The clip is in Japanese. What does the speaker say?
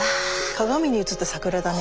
鏡に映った桜だね。